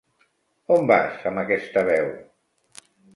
On vas amb aquesta veu?